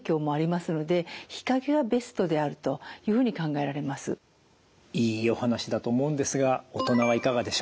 いいお話だと思うんですが大人はいかがでしょう？